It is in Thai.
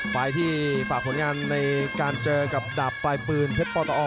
ฝ่ายที่ฝากผลงานในการเจอกับดาบปลายปืนเพชรปตอ